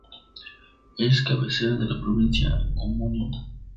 Es cabecera de la provincia homónima.